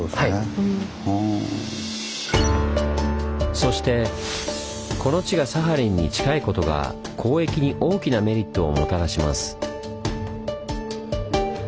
そしてこの地がサハリンに近いことが交易に大きなメリットをもたらします。